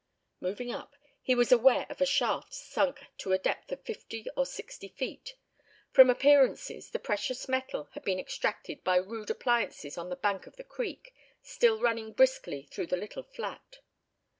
Moving up, he was aware of a shaft sunk to a depth of fifty or sixty feet; from appearances, the precious metal had been extracted by rude appliances on the bank of the creek, still running briskly through the little flat.